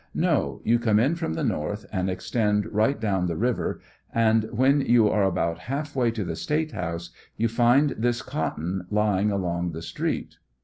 No; you come in from the north, and extend right down the river, and when you are about half way to the State house you find this cotton lying along the the street.